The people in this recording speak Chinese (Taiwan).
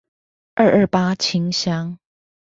二二八清鄉